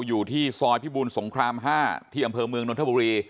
อยู่ที่ซอยพิบูลสงคราม๕ที่อำเภอเมืองนนทบุรี